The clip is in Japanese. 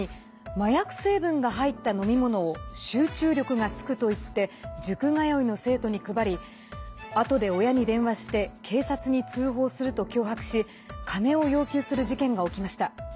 麻薬成分が入った飲み物を集中力がつくといって塾通いの生徒に配りあとで親に電話して警察に通報すると脅迫し金を要求する事件が起きました。